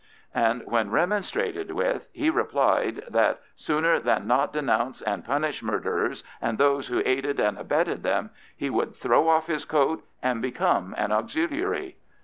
And when remonstrated with, he replied that, sooner than not denounce and punish murderers and those who aided and abetted them, he would throw off his coat and become an Auxiliary.